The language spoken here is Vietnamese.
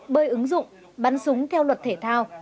bơi ứng dụng bắn súng theo luật thể thao